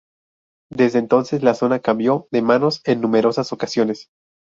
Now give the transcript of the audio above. Desde entonces, la zona cambió de manos en numerosas ocasiones.